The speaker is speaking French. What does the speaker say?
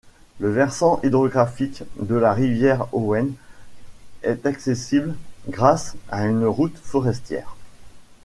Le versant hydrographique de la rivière Owen est accessible grâce à une route forestière.